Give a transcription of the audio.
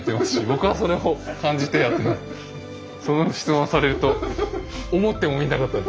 そんな質問されると思ってもみなかった。